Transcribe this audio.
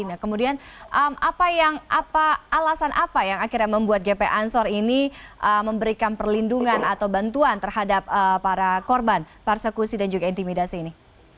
nah kemudian alasan apa yang akhirnya membuat gp ansor ini memberikan perlindungan atau bantuan terhadap para korban persekusi dan juga intimidasi ini